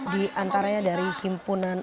di antaranya dari himpunan